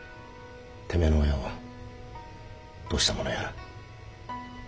てめえの親をどうしたものやら。